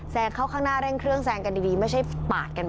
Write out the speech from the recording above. เข้าข้างหน้าเร่งเครื่องแซงกันดีไม่ใช่ปาดกันไป